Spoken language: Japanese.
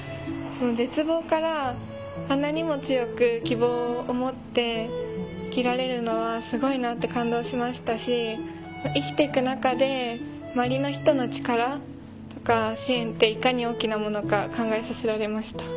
絶望からあんなにも強く希望を持って生きられるのはすごいなって感動しましたし生きて行く中で周りの人の力とか支援っていかに大きなものか考えさせられました。